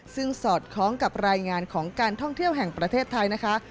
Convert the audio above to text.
ซึ่งสอดคล้องกับรายงานของการท่องเที่ยวแห่งประเทศไทยนะคะ